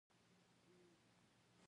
افغانستان په پکتیا غني دی.